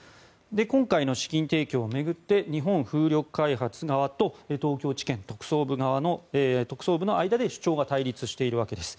今回の資金提供を巡って日本風力開発側と東京地検特捜部の間で主張が対立しているわけです。